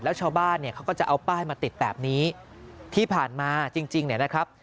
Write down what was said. แล้วชาวบ้านเขาก็จะเอาป้ายมาติดแบบนี้ที่ผ่านมาจริงนะครับ